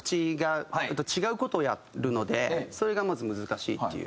それがまず難しいっていう。